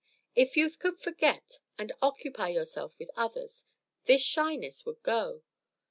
If you could forget and occupy yourself with others, this shyness would go.